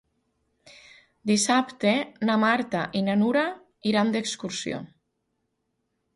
Dissabte na Marta i na Nura iran d'excursió.